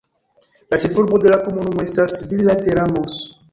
La ĉefurbo de la komunumo estas Villa de Ramos.